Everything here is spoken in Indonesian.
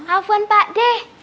afuan pak deh